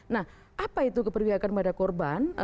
nah apa itu keperbihakan kepada korban